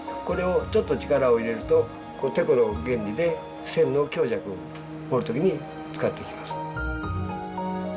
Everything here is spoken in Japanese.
これをちょっと力を入れるとてこの原理で線の強弱を彫るときに使っていきます。